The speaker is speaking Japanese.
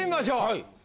はい。